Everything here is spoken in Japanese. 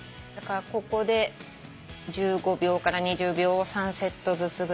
ここで１５秒から２０秒を３セットずつぐらい。